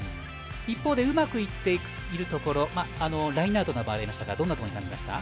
一方、うまくいっているところラインアウトなどもありましたがどんなところに感じましたか？